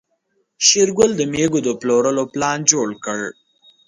شېرګل د مېږو د پلورلو پلان جوړ کړ.